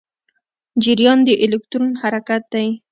جریان د الکترون حرکت دی.